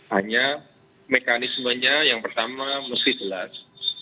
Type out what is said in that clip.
hanya mekanismenya yang pertama mesti jelas